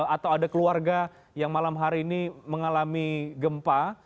atau ada keluarga yang malam hari ini mengalami gempa